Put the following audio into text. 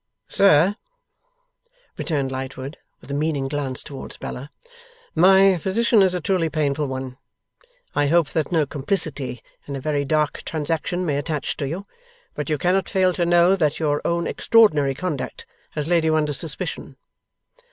'Sir' returned Lightwood, with a meaning glance towards Bella, 'my position is a truly painful one. I hope that no complicity in a very dark transaction may attach to you, but you cannot fail to know that your own extraordinary conduct has laid you under suspicion.